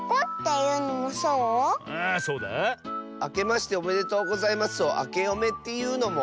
「あけましておめでとうございます」を「あけおめ」っていうのも？